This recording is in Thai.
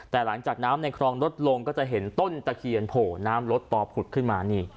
แต่หลังจากน้ำในคลองลดลงก็จะเห็นต้นตะเคียนโผล่น้ำลดต่อผุดขึ้นมานี่